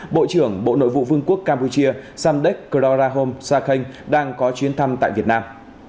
bộ trưởng bộ nội vụ vương quốc campuchia samdek klorahom sakhen đang có chuyến thăm tại việt nam